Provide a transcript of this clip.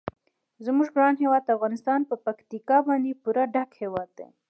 زموږ ګران هیواد افغانستان په پکتیکا باندې پوره ډک هیواد دی.